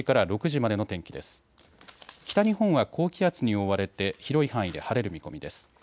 北日本は高気圧に覆われて広い範囲で晴れる見込みです。